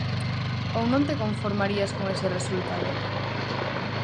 Ou non te conformarías con ese resultado?